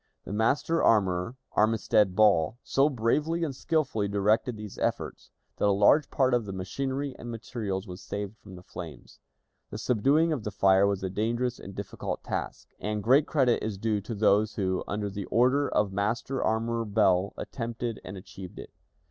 The master armorer, Armistead Ball, so bravely and skillfully directed these efforts, that a large part of the machinery and materials was saved from the flames. The subduing of the fire was a dangerous and difficult task, and great credit is due to those who, under the orders of Master Armorer Ball, attempted and achieved it.